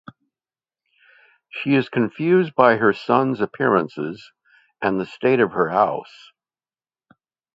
She is confused by her sons' appearances and the state of her house.